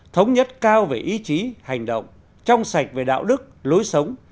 thống nhất cao về ý chí hành động trong sạch về đạo đức lối sống